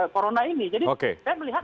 corona ini jadi saya melihat